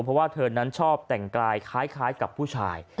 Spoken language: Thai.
เพราะว่าเธอนั้นชอบแต่งกายคล้ายกับผู้ชาย